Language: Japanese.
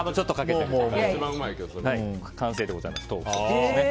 完成でございます。